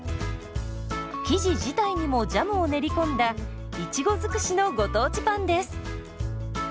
生地自体にもジャムを練り込んだいちご尽くしのご当地パンです。